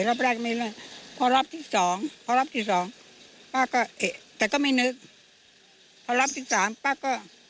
รอปรักพอรับที่๒ป้าก็เอกแต่ก็ไม่นึก